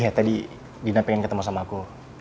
ya tadi dina pengen ketemu sama aku